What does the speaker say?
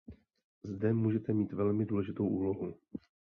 Zde můžete mít velmi důležitou úlohu.